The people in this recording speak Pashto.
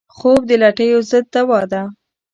خوب د لټیو ضد دوا ده